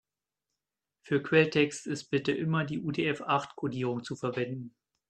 Für Quelltext ist bitte immer die UTF-acht-Kodierung zu verwenden.